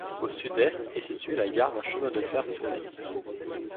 Au sud-est, est située la gare d'un chemin de fer touristique.